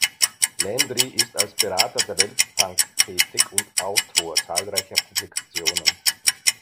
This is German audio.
Landry ist als Berater der Weltbank tätig und Autor zahlreicher Publikationen.